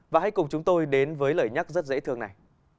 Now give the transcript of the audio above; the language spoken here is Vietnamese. và hãy cùng chúng tôi đến với lời nhắc rất dễ thương này